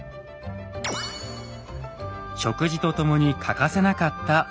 食事と共に欠かせなかった水。